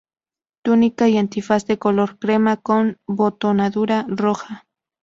Túnica y antifaz de color crema con botonadura roja.